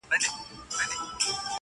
زه د بل له ښاره روانـېـږمـه_